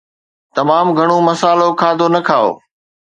تمام گهڻو مصالحو کاڌو نه کائو